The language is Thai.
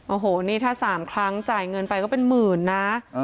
โอ้โหนี่ถ้า๓ครั้งจ่ายเงินไปก็เป็นหมื่นนะ